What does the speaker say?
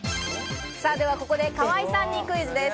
ではここで河井さんにクイズです。